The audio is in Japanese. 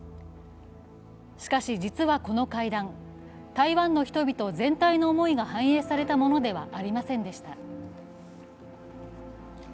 しかし、実はこの会談、台湾の人々全体の思いが反映されたものではありませんでした。